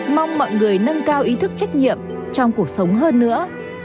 mong mọi người nâng cao ý thức trách nhiệm trong cuộc sống hơn nữa